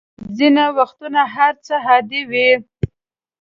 ځینې وختونه هر څه عادي وي.